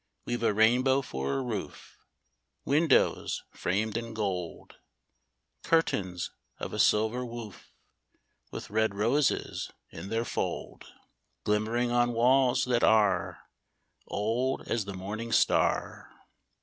We've a rainbow for a roof, Windows framed in gold, Curtains of a silver woof, With red roses in their fold Glimmering on walls that are Old as the morning star.